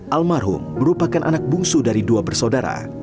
almarhum merupakan anak bungsu dari dua bersaudara